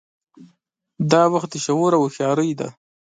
دا وخت د شعور او هوښیارۍ دی.